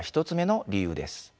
１つ目の理由です。